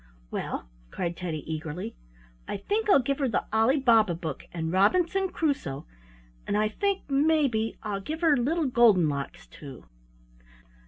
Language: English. "Well," cried Teddy, eagerly, "I think I'll give her the Ali Baba book and Robinson Crusoe, and I think, maybe, I'll give her Little Golden Locks too."